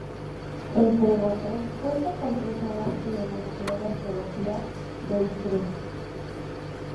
Entre otros, cuenta con tres obras en el Museo de Arqueología de Istres.